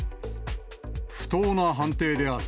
不当な判定である。